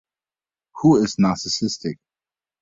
Who is narcissistic?